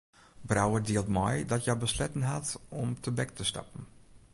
Brouwer dielt mei dat hja besletten hat om tebek te stappen.